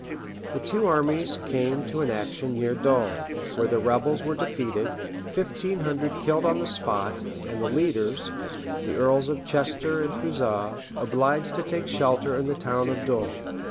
The two armies came to an action near Dol, where the rebels were defeated, fifteen hundred killed on the spot, and the leaders, the earls of Chester and Fougeres, obliged to take shelter in the town of Dol.